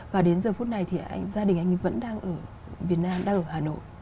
và đến giờ phút này thì gia đình anh ấy vẫn đang ở việt nam đang ở hà nội